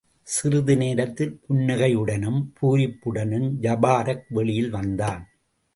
சிறிது நேரத்தில், புன்னகையுடனும் பூரிப்புடனும் ஜபாரக் வெளியில் வந்தான்.